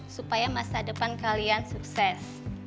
supaya masa depan kalian sukses